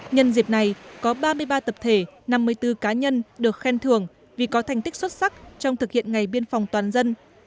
nhân dịp này có ba mươi ba tập thể năm mươi bốn cá nhân được khen thưởng vì có thành tích xuất sắc trong thực hiện ngày biên phòng toàn dân